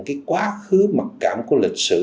cái quá khứ mặt cảm của lịch sử